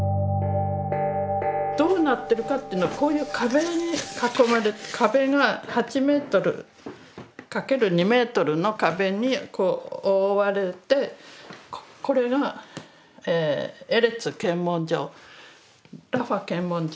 どうなってるかってのはこういう壁に囲まれて８メートル×２メートルの壁にこう覆われてこれがエレツ検問所ラファ検問所。